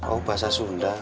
oh bahasa sunda